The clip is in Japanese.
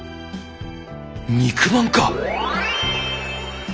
肉まんか！